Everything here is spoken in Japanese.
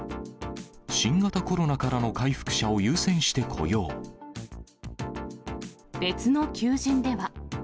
新型コロナからの回復者を優別の求人では。